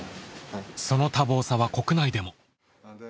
その多忙さは国内でも。